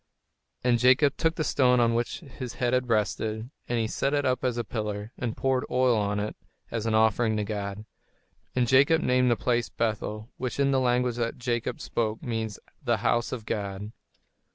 And Jacob took the stone on which his head had rested, and he set it up as a pillar, and poured oil on it as an offering to God. And Jacob named that place Bethel, which in the language that Jacob spoke means "The House of God."